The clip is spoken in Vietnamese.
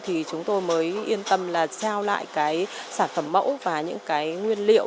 thì chúng tôi mới yên tâm là gieo lại cái sản phẩm mẫu và những cái nguyên liệu